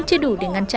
cháu đi kiếm tiền nhá